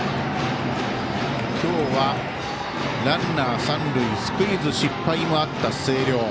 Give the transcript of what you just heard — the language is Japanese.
今日はランナー、三塁スクイズ失敗もあった星稜。